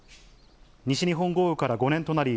西日本豪雨から５年となり、